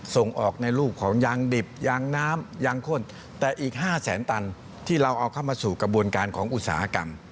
ส่งออกในรูปของยางดิบยางน้ำยางข้นแต่อีก๕แสนตันที่เราเอาเข้ามาสู่กระบวนการของอุตสาหกรรม